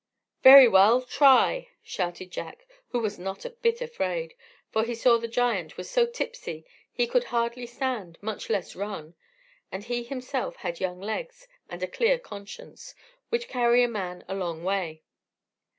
"Very well; try!" shouted Jack, who was not a bit afraid, for he saw the giant was so tipsy he could hardly stand, much less run; and he himself had young legs and a clear conscience, which carry a man a long way.